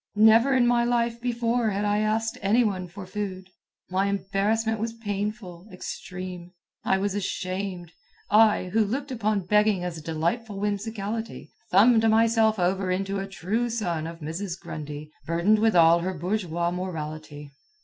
Never in my life before had I asked any one for food. My embarrassment was painful, extreme. I was ashamed. I, who looked upon begging as a delightful whimsicality, thumbed myself over into a true son of Mrs. Grundy, burdened with all her bourgeois morality.